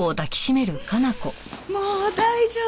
もう大丈夫やで。